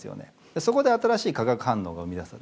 そこで新しい化学反応が生み出される。